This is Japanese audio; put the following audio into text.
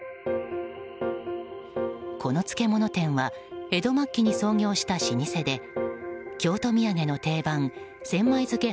この漬物店は江戸末期に創業した老舗で京都土産の定番千枚漬け